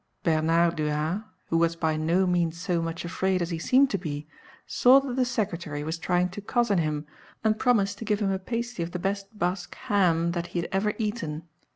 Bernard du Ha, who was by no means so much afraid as he seemed to be, saw that the secretary was trying to cozen him, and promised to give him a pasty of the best Basque ham (3) that he had ever eaten.